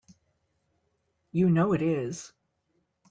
You know it is!